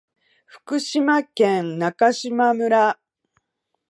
福島県中島村